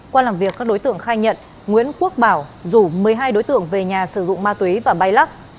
qua làm việc các đối tượng khai nhận nguyễn quốc bảo rủ một mươi hai đối tượng về nhà sử dụng ma túy và bay lắc